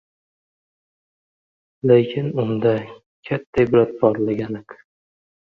Lekin unda katta ibrat borligi aniq.